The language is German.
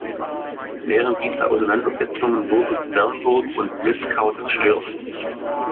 Während dieser Auseinandersetzungen wurden Bernburg und Plötzkau zerstört.